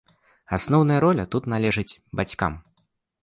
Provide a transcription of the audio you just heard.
Асноўная роля тут належыць бацькам.